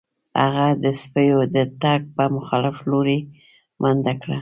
هغه د سپیو د تګ په مخالف لوري منډه کړه